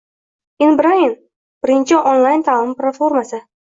In Brain — birinchi onlayn ta’lim platformasi